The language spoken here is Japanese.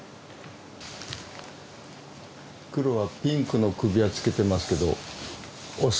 クロはピンクの首輪つけてますけどオス？